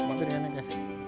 bapak piringan ini ya